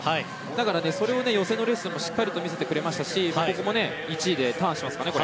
だから、それを予選のレースでもしっかり見せてくれましたしここも１位でターンしますかね。